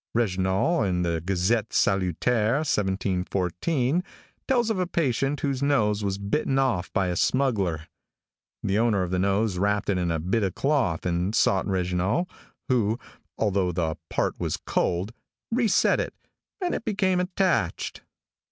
Régnault, in the Gazette Salutaire, 1714, tells of a patient whose nose was bitten off by a smuggler. The owner of the nose wrapped it in a bit of cloth and sought Régnault, who, "although the part was cold, reset it, and it became attached."